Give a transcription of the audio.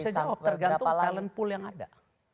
saya jawab tergantung talent pool yang ada